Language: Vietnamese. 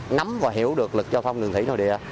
nắm và hiểu được lực giao thông đường thủy nội địa